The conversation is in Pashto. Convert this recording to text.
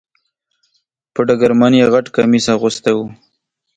په ډګرمن یې غټ کمیس اغوستی و .